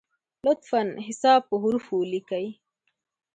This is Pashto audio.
لطفا حساب په حروفو ولیکی!